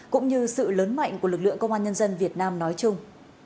cũng như sự lớn mạnh của lực lượng công an nhân dân việt nam nói chung